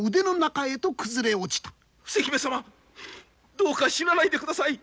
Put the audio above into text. どうか死なないで下さい！